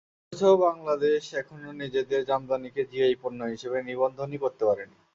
অথচ, বাংলাদেশ এখনো নিজেদের জামদানিকে জিআই পণ্য হিসেবে নিবন্ধনই করতে পারেনি।